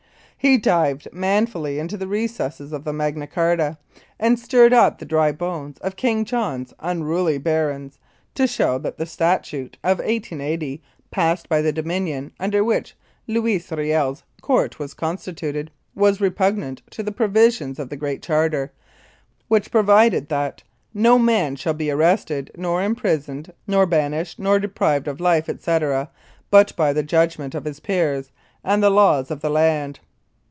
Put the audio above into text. He dived manfully into the recesses of Magna Charta } and stirred up the dry bones of King John's unruly barons, to show that the statute of 1880, passed by the Dominion, under which Louis Riel's court was constituted, was repugnant to the provisions of the Great Charter, which provided that "no man shall be arrested, nor imprisoned, nor banished, nor deprived of life, etc., but by the judgment of his peers and the laws of the land."